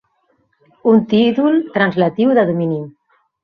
Un títol translatiu de domini.